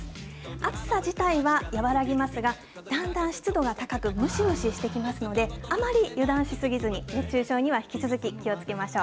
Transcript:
暑さ自体は和らぎますが、だんだん湿度が高く、ムシムシしてきますので、あまり油断しすぎずに熱中症には引き続き気をつけましょう。